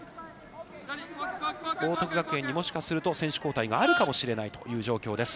報徳学園にもしかすると選手交代があるかもしれないという状況です。